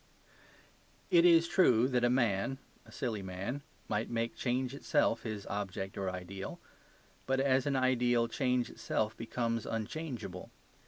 It is true that a man (a silly man) might make change itself his object or ideal. But as an ideal, change itself becomes unchangeable.